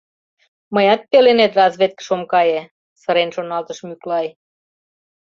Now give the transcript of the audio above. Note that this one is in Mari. «Мыят пеленет разведкыш ом кае, — сырен шоналтыш Мӱклай.